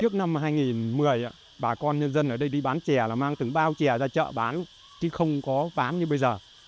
trước năm hai nghìn một mươi bà con nhân dân ở đây đi bán chè là mang từng bao trè ra chợ bán chứ không có bán như bây giờ